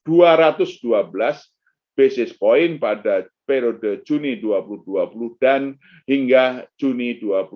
ada dua ratus dua belas basis point pada periode juni dua ribu dua puluh dan hingga juni dua ribu dua puluh